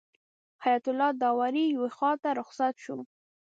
حیات الله داوري یوې خواته رخصت شو.